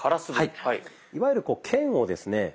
いわゆる剣をですね